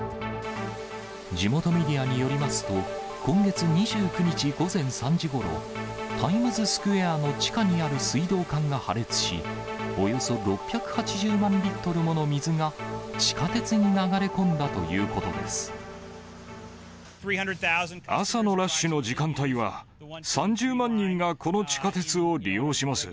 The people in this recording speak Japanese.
地元メディアによりますと、今月２９日午前３時ごろ、タイムズスクエアの地下にある水道管が破裂し、およそ６８０万リットルもの水が地下鉄に流れ込んだということで朝のラッシュの時間帯は、３０万人がこの地下鉄を利用します。